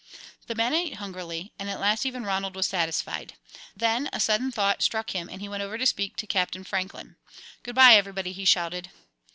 The men ate hungrily, and at last even Ronald was satisfied. Then a sudden thought struck him, and he went over to speak to Captain Franklin. "Good bye, everybody," he shouted.